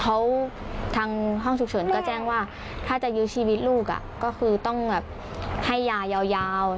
เขาทางห้องฉุกเฉินก็แจ้งว่าถ้าจะยื้อชีวิตลูกก็คือต้องแบบให้ยายาว